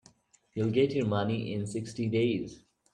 You'll get your money in sixty days.